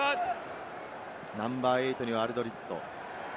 ナンバー８にはアルドリット。